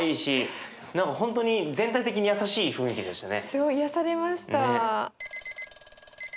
すごい癒やされました。